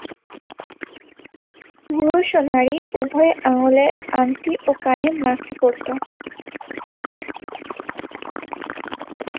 পুরুষ ও নারী উভয়েই আঙুলে আঙটি ও কানে মাকড়ি পরত।